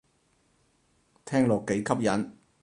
聽落幾吸引